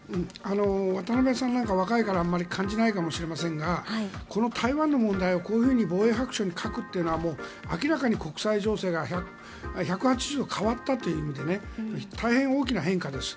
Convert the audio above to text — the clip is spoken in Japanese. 渡辺さんなんか若いからあまり感じないかもしれませんがこの台湾の問題をこういうふうに防衛白書に書くというのは明らかに国際情勢が１８０度変わったという意味で大変大きな変化です。